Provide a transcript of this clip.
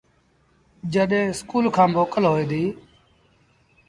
جڏهيݩ اسڪُول کآݩ موڪل هوئي ديٚ